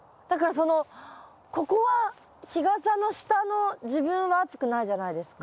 だからそのここは日傘の下の自分は暑くないじゃないですか。